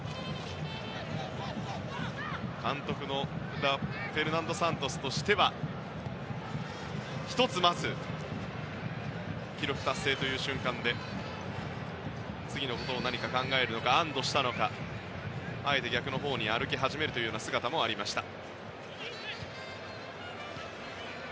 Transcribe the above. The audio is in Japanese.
監督のフェルナンド・サントスとしては１つまず記録達成という瞬間で次のことを何か考えているのか安堵したのかあえて逆のほうに歩き始める姿もありました。